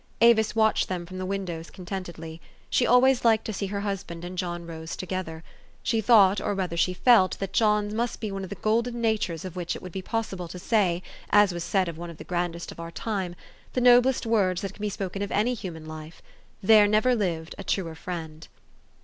Avis watched them from the windows contentedly. She always liked to see her husband and John Rose to gether. She thought, or rather she felt, that John's must be one of the golden natures of which it would be possible to say, as was said of one of the grand est of our time the noblest words, that can be spoken of any human life, " There never lived a truer friend."